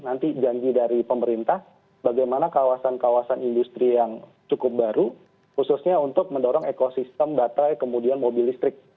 nanti janji dari pemerintah bagaimana kawasan kawasan industri yang cukup baru khususnya untuk mendorong ekosistem baterai kemudian mobil listrik